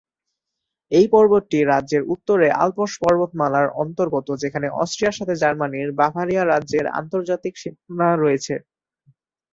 এই পর্বতটি রাজ্যের উত্তরে আল্পস পর্বতমালার অন্তর্গত, যেখানে অস্ট্রিয়ার সাথে জার্মানির বাভারিয়া রাজ্যের আন্তর্জাতিক সীমানা রয়েছে।